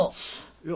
いや。